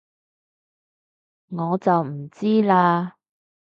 我就唔知喇